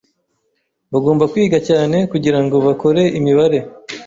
Bagomba kwiga cyane kugirango bakore imibare.